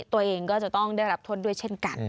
ตัวเองก็จะต้องได้รับโทษด้วยเช่นกัน